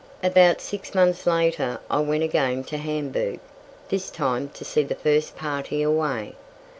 About six months later I went again to Hamburg, this time to see the first party away.